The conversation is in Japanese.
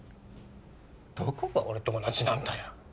どこが俺と同じなんだよ。